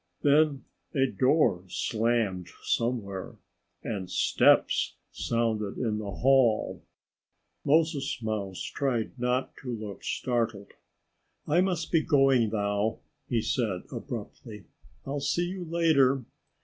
Then a door slammed somewhere. And steps sounded in the hall. Moses Mouse tried not to look startled. "I must be going now," he said abruptly. "I'll see you later."